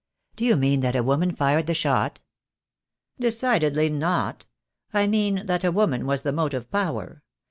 "Do you mean that a woman fired the shot?" 56 THE DAY WILL COME. "Decidedly not. I mean that a woman was the motive power.